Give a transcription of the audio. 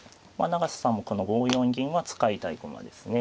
永瀬さんもこの５四銀は使いたい駒ですね。